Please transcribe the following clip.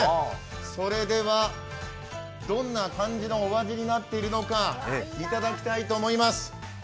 それではどんな感じのお味になっているのか頂きたいと思います。